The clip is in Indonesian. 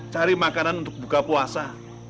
cari makanan untuk buka puasa